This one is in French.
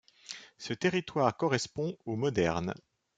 Ce territoire correspond au moderne.